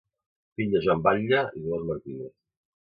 Fill de Joan Batlle i Dolors Martínez.